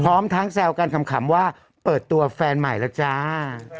พร้อมทั้งแซวกันขำว่าเปิดตัวแฟนใหม่แล้วจ้า